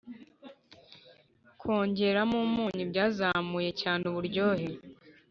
[kwongeramo umunyu byazamuye cyane uburyohe.